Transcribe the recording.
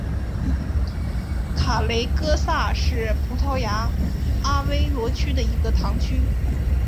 卡雷戈萨是葡萄牙阿威罗区的一个堂区。